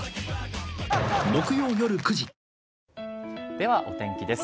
ではお天気です。